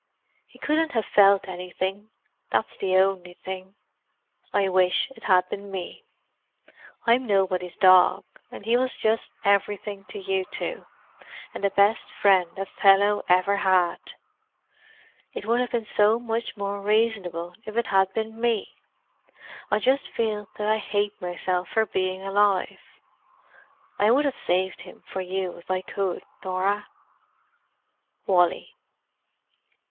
"He couldn't have felt anything; that's the only thing. "I wish it had been me. I'm nobody's dog, and he was just everything to you two—and the best friend a fellow ever had. It would have been so much more reasonable if it had been me. I just feel that I hate myself for being alive. I would have saved him for you if I could, Norah, "Wally."